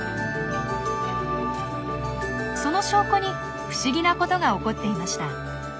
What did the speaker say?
その証拠に不思議なことが起こっていました。